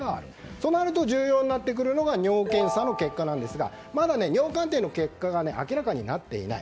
そうなると重要になってくるのが尿検査の結果なんですがまだ尿鑑定の結果が明らかになっていない。